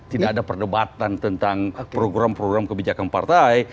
tidak ada perdebatan tentang program program kebijakan partai